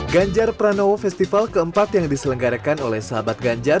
ganjar pranowo festival keempat yang diselenggarakan oleh sahabat ganjar